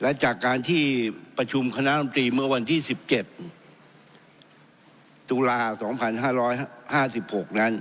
และจากการที่ประชุมคณะลำตรีเมื่อวันที่๑๗ตุลา๒๕๕๖นั้น